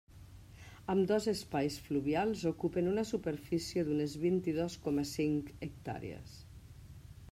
Ambdós espais fluvials ocupen una superfície d'unes vint-i-dos coma cinc hectàrees.